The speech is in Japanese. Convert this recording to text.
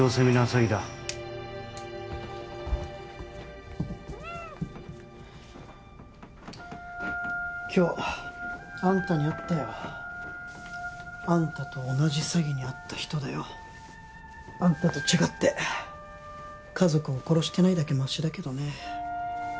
詐欺だ今日あんたに会ったよあんたと同じ詐欺に遭った人だよあんたと違って家族を殺してないだけマシだけどね